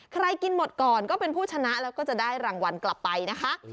กินหมดก่อนก็เป็นผู้ชนะแล้วก็จะได้รางวัลกลับไปนะคะ